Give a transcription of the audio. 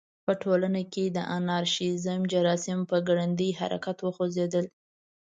په ټولنه کې د انارشیزم جراثیم په ګړندي حرکت وخوځېدل.